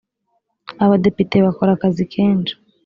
abadepite bakora akazi kenshi.